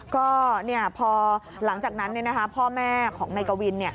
ก็พอหลังจากนั้นพ่อแม่ของนายกวิน